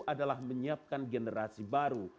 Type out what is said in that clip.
adalah menyiapkan generasi baru